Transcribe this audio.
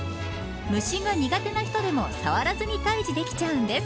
虫が苦手な人でも触らずに退治できちゃうんです。